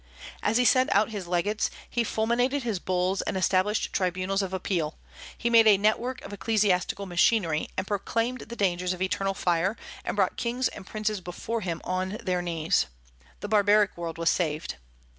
As he sent out his legates, he fulminated his bulls and established tribunals of appeal; he made a net work of ecclesiastical machinery, and proclaimed the dangers of eternal fire, and brought kings and princes before him on their knees. The barbaric world was saved.